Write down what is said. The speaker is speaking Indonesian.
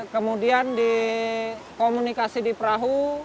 kemudian di komunikasi di perahu